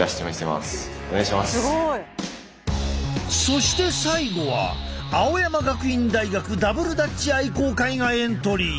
そして最後は青山学院大学ダブルダッチ愛好会がエントリー。